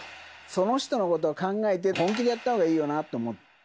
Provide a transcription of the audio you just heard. その人のことを考えて、本気でやったほうがいいよなと思う。